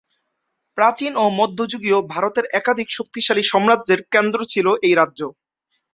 প্রাচীন ও মধ্যযুগীয় ভারতের একাধিক শক্তিশালী সাম্রাজ্যের কেন্দ্র ছিল এই রাজ্য।